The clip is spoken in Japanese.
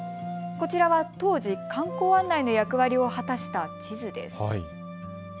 こちらは当時、観光案内の役割を果たした地図です。